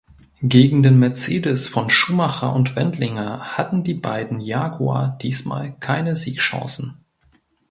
Gegen den Mercedes von Schumacher und Wendlinger hatten die beiden Jaguar diesmal keine Siegchancen.